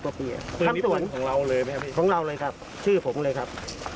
คือนิปุ่นของเราเลยมั้ยครับพี่ของเราเลยครับชื่อผมเลยครับ